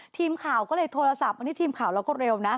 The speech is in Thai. ทีมข่าวก็เลยโทรศัพท์อันนี้ทีมข่าวเราก็เร็วนะ